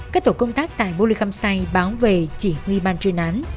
các tổ công tác tại bô lê khăm say báo về chỉ huy bàn truyền án